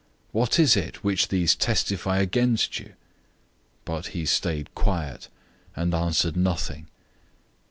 What is it which these testify against you?" 014:061 But he stayed quiet, and answered nothing.